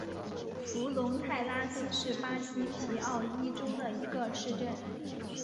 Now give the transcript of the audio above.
弗龙泰拉斯是巴西皮奥伊州的一个市镇。